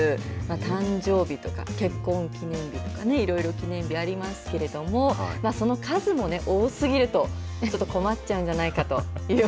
誕生日とか結婚記念日とかね、いろいろ記念日ありますけれども、その数も多すぎると困っちゃうんではないかという。